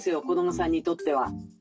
子どもさんにとっては。